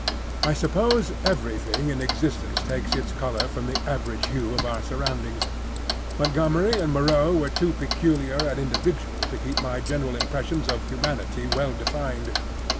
I suppose everything in existence takes its colour from the average hue of our surroundings. Montgomery and Moreau were too peculiar and individual to keep my general impressions of humanity well defined.